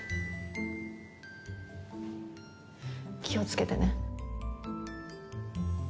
気をつけてね。